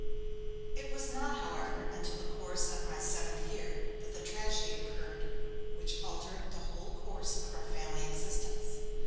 It was not, however, until the course of my seventh year that the tragedy occurred, which altered the whole course of our family existence.